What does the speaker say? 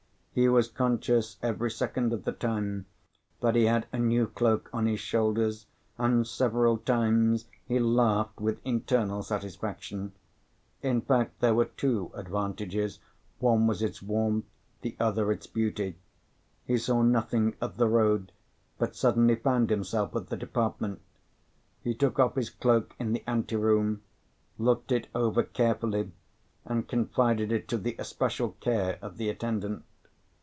He was conscious every second of the time that he had a new cloak on his shoulders; and several times he laughed with internal satisfaction. In fact, there were two advantages, one was its warmth, the other its beauty. He saw nothing of the road, but suddenly found himself at the department. He took off his cloak in the ante room, looked it over carefully, and confided it to the especial care of the attendant.